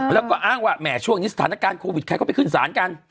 แล้วก็อ้างว่าแหม่ช่วงนี้สถานการณ์โควิดใครก็ไปขึ้นศาลกัน